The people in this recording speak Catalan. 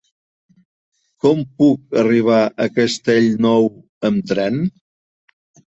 Com puc arribar a Castellnou amb tren?